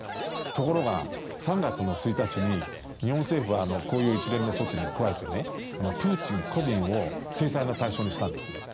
ところが、３月１日に日本政府はこういう一連の措置に加えてプーチン個人を制裁の対象にしたんですね。